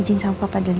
ijin sama papa dulu ya